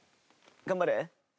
頑張れ。